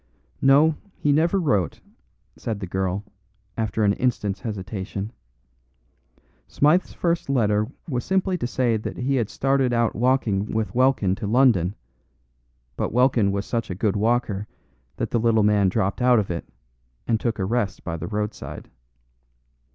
"No, he never wrote," said the girl, after an instant's hesitation. "Smythe's first letter was simply to say that he had started out walking with Welkin to London; but Welkin was such a good walker that the little man dropped out of it, and took a rest by the roadside.